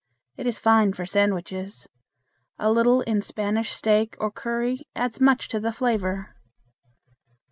It is fine for sandwiches. A little in Spanish steak or curry adds much to the flavor.